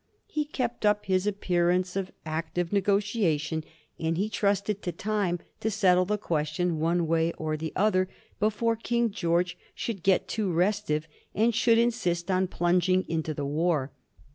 He kept up his appearance of active negotiation, and he trusted to time to settle the question one way or the other before King George should get too restive, and should insist on plunging into the war.